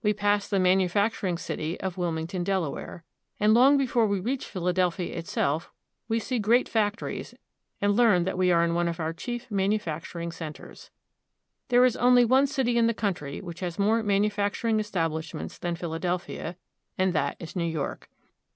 We pass the manufac turing city of Wilmington, Delaware ; and long before we reach Philadelphia itself we see great factories, and learn that we are in one of our chief manufacturing centers. There is only one city in the country which has more manufacturing establishments than Phil adelphia, and that is New York.